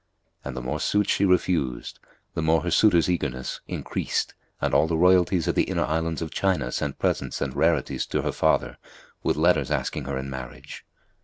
And the more suits she refused, the more her suitors' eagerness increased and all the Royalties of the Inner Islands of China sent presents and rarities to her father with letters asking her in marriage.